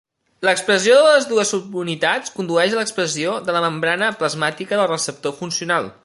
L'expressió de les dues subunitats condueix a l'expressió de la membrana plasmàtica del receptor funcional.